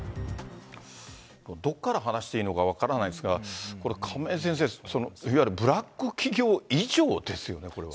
どこから話していいのか、分からないんですが、これ亀井先生、いわゆるブラック企業以上ですよね、これは。